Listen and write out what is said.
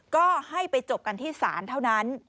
ก็ให้ไปจบกันที่ศาลเท่านั้น